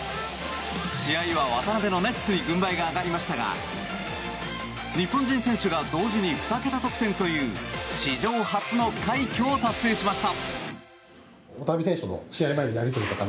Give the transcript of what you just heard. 試合は渡邊のネッツに軍配が上がりましたが日本人選手が同時に２桁得点という史上初の快挙を達成しました。